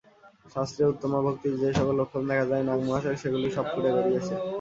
শাস্ত্রে উত্তমা ভক্তির যে-সকল লক্ষণ দেখা যায়, নাগ-মহাশয়ের সেগুলি সব ফুটে বেরিয়েছে।